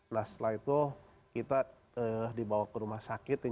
nah setelah itu kita dibawa ke rumah sakit